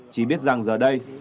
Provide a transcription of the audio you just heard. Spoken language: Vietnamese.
chỉ biết rằng giờ đây